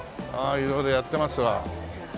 色々やってますわ。